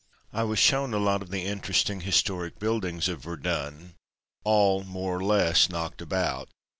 I was shown a lot of the interesting historic buildings of Verdun all more or less knocked about.